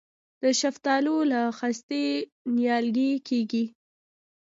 د شفتالو له خستې نیالګی کیږي؟